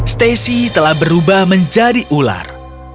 stacy telah berubah menjadi ular